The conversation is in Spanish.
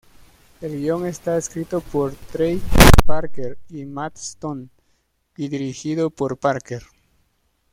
El guion está escrito por Trey Parker y Matt Stone, y dirigido por Parker.